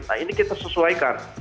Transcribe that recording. nah ini kita sesuaikan